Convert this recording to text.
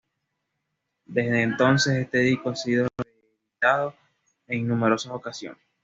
Desde entonces este disco ha sido reeditado en numerosas ocasiones.